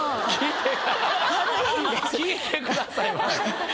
聞いてください。